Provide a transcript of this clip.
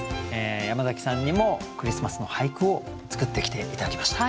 山崎さんにもクリスマスの俳句を作ってきて頂きました。